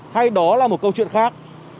hay đó là một câu chuyện khác